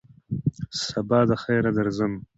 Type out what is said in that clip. سبا دخیره درځم !